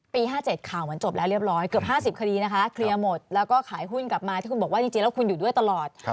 ๕๗ข่าวเหมือนจบแล้วเรียบร้อยเกือบ๕๐คดีนะคะเคลียร์หมดแล้วก็ขายหุ้นกลับมาที่คุณบอกว่าจริงแล้วคุณอยู่ด้วยตลอด